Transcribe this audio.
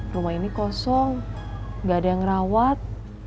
rumah ini kosong gak ada yang ngerawat